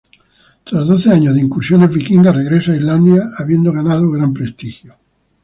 Tras doce años de incursiones vikingas regresa a Islandia habiendo ganado gran prestigio.